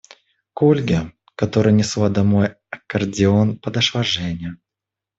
К Ольге, которая несла домой аккордеон, подошла Женя.